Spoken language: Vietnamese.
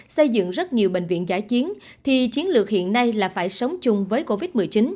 xây dựng rất nhiều bệnh viện giã chiến thì chiến lược hiện nay là phải sống chung với covid một mươi chín